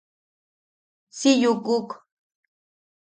Si yukuk.